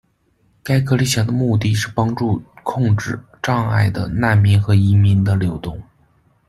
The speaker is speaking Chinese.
该隔离墙的目的是帮助控制障碍的难民和移民的流动。